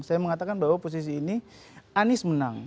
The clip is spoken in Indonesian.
saya mengatakan bahwa posisi ini anies menang